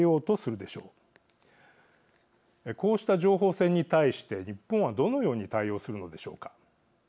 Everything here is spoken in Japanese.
こうした情報戦に対して日本はどのように対応するのでしょうか。